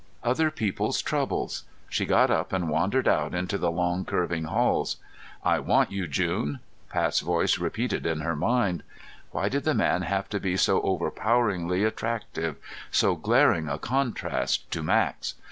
Other people's troubles.... She got up and wandered out into the long curving halls. "I want you June," Pat's voice repeated in her mind. Why did the man have to be so overpoweringly attractive, so glaring a contrast to Max?